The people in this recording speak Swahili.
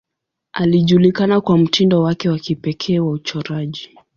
Alijulikana kwa mtindo wake wa kipekee wa uchoraji.